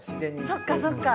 そっかそっか。